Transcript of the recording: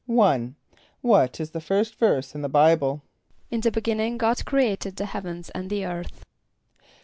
=1.= What is the first verse in the Bible? ="In the beginning God created the heavens and the earth."